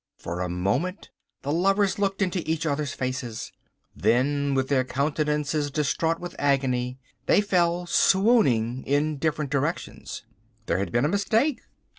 For a moment the lovers looked into each other's faces. Then with their countenances distraught with agony they fell swooning in different directions. There had been a mistake!